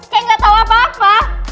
kayak gak tau apa apa